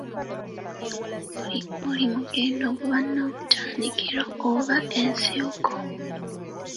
Buli mugendo guba n'obutandikiro oba ensibuko